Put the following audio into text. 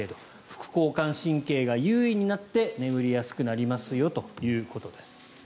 副交感神経が優位になって眠りやすくなりますよということです。